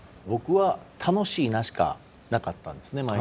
僕は「楽しいな」しかなかったんですね。